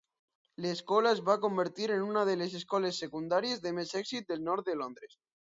L'escola es va convertir en una de les escoles secundàries de més èxit del nord de Londres.